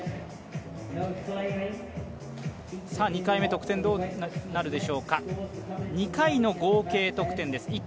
２回目、得点、どうなるでしょうか２回の合計得点です。